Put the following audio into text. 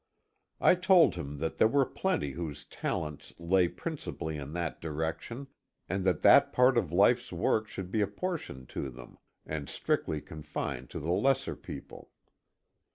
I told him that there were plenty whose talents lay principally in that direction, and that that part of life's work should be apportioned to them, and strictly confined to the lesser people.